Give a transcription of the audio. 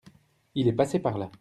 il est passé par là.